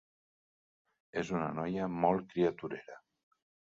És una noia molt criaturera.